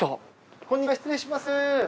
こんにちは失礼します。